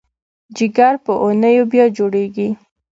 جګر په اونیو بیا جوړېږي.